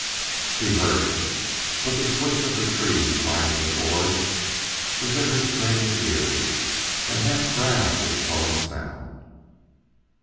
She heard it, but the swish of the trees lining the gorge was in her straining ears and half drowned its sullen sound.